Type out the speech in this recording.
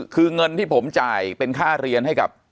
คือเงินที่ผมจ่ายเป็นค่าเรียนให้กับ